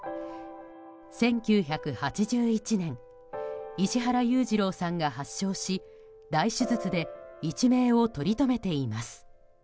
１９８１年石原裕次郎さんが発症し大手術で一命をとりとめています。